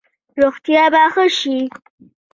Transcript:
روغتیا به ښه شي؟